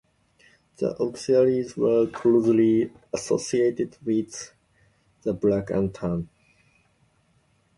The Auxiliaries were closely associated with the Black and Tans.